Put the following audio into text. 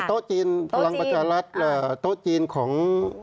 โต๊ะจีนพลังประชารัฐโต๊ะจีนของ